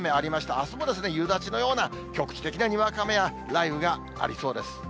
あすも夕立のような局地的なにわか雨や雷雨がありそうです。